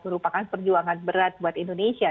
merupakan perjuangan berat buat indonesia